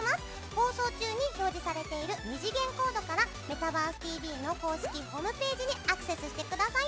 放送中に表示されている二次元コードから「メタバースＴＶ！！」の公式ホームページにアクセスしてください。